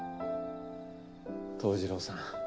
桃次郎さん